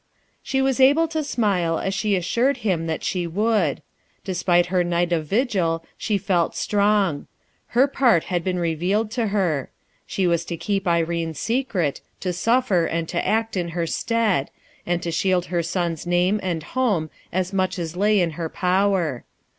She was able to smile as she assured him that she would. Despite her night of vigil she felt strong. Her part had been revealed to her. She was to keep Irene's secret, to suffer and to act in her stead ; and to shield her son's name and home as much as lay hi her power.